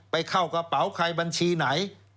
ไปเข้ากระเป๋าใครบัญชีไหน